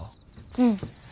うん。